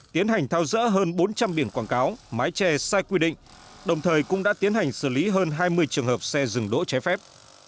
tiến hành tháo rỡ hơn bốn trăm linh biển quảng cáo mái che sai quy định đồng thời cũng đã tiến hành xử lý hơn hai mươi trường hợp xe rừng đỗ chế phép